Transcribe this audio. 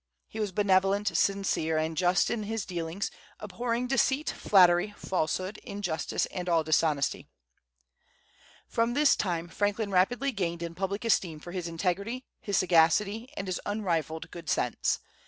He was benevolent, sincere, and just in his dealings, abhorring deceit, flattery, falsehood, injustice, and all dishonesty. From this time Franklin rapidly gained in public esteem for his integrity, his sagacity, and his unrivalled good sense.